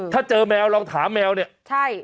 ถ้าเจอแมวลองถามแมวเนี่ยใช่